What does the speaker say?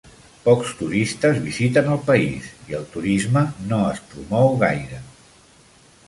Pocs turistes visiten el país i el turisme no es promou gaire.